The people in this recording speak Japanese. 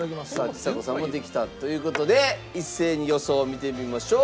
ちさ子さんもできたという事で一斉に予想を見てみましょう。